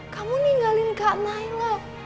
kamu ninggalin kak nailah